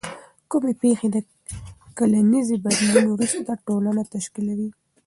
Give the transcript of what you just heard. کومې پیښې د کلنیزې بدلون وروسته ټولنه تشکیلوي؟